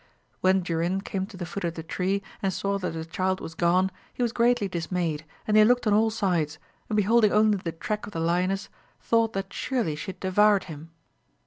When Durin came to the foot of the tree, and saw that the child was gone, he was greatly dismayed, and he looked on all sides, and beholding only the track of the lioness, thought that surely she had devoured him.